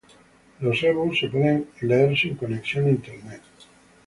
Los e-books pueden ser leídos sin conexión a internet.